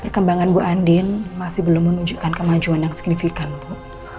perkembangan bu andin masih belum menunjukkan kemajuan yang signifikan bu